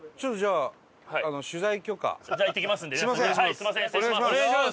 すいません失礼します。